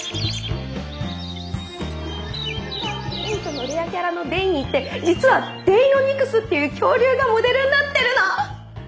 Ⅷのレアキャラのデイニーって実はデイノニクスっていう恐竜がモデルになってるの！